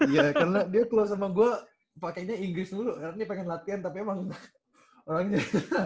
iya karena dia keluar sama gue pakainya inggris dulu karena dia pengen latihan tapi emang orangnya